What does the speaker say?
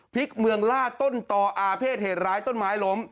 พลิกเมืองล่าต้นต่ออาเภษเหตุร้ายต้นไม้ล้ม